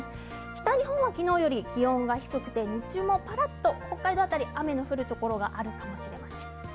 北日本は昨日より気温が低くて日中は、ぱらっと北海道辺り雨の降るところがあるかもしれません。